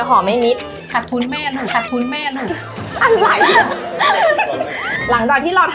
กดเร่มที่รู